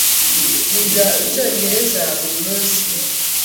Yiga Icyongereza buri munsi?